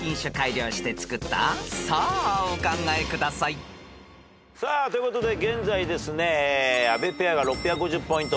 ［さあお考えください］ということで現在ですね阿部ペアが６５０ポイント。